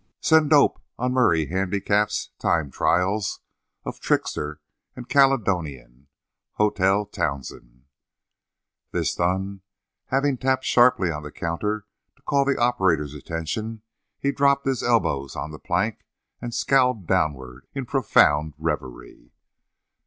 "Send dope on Murray handicaps time trials of Trickster and Caledonian. Hotel Townsend." This done, having tapped sharply on the counter to call the operator's attention, he dropped his elbows on the plank and scowled downward in profound reverie.